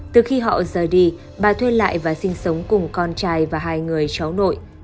từ khi họ rời đi bà thuê lại và sinh sống cùng con trai và hai người cháu nội